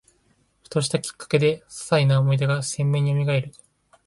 ふとしたきっかけで、ささいな思い出が鮮明によみがえる